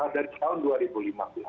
dari tahun dua ribu lima belas